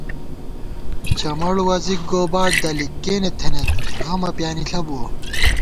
چمڑ وَزِک گوباٹ دَلِک کېنے تھنَئیت غمہ پیانِݪہ بُوَہ